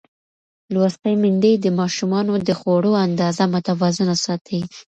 لوستې میندې د ماشومانو د خوړو اندازه متوازنه ساتي.